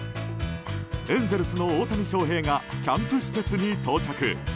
エンゼルスの大谷翔平がキャンプ施設に到着。